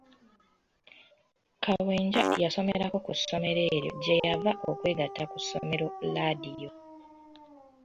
Kawenja yasomerako ku ssomero eryo gye yava okwegatta ku ssomero laadiyo.